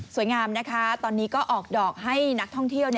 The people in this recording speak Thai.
งามนะคะตอนนี้ก็ออกดอกให้นักท่องเที่ยว